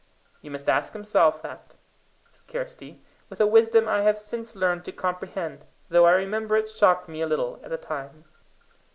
"You must ask himself that," said Kirsty, with a wisdom I have since learned to comprehend, though I remember it shocked me a little at the time.